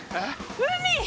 海！